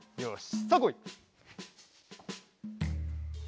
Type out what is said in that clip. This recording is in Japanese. よし。